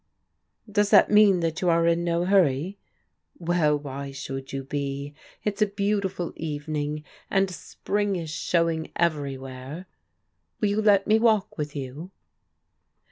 "Does that mean that you are in no hurry? Well, why should you be ? It's a beautiful evening, and spring loa UNACCEPTABLE ADVICE 103 is showing everywhere. Will you let me walk with you?"